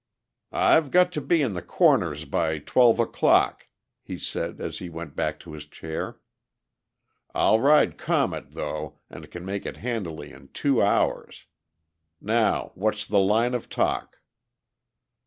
"I've got to be in the Corners by twelve o'clock," he said as he went back to his chair. "I'll ride Comet, though, and can make it handily in two hours. Now, what's the line of talk?"